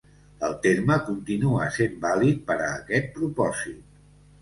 El terme continua sent vàlid per a aquest propòsit.